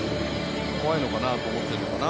怖いのかなと思ってるのかな。